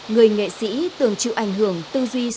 người nghệ sĩ tưởng chịu ảnh hưởng